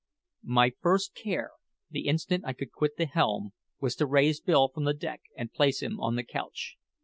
My first care, the instant I could quit the helm, was to raise Bill from the deck and place him on the couch.